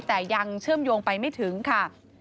แต่ยังเชื่อมโยงไปไม่ถึงค่ะ